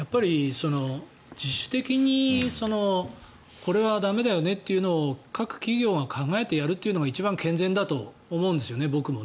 自主的にこれは駄目だよねというのを各企業が考えてやるというのが一番健全だと僕も思うんですよね。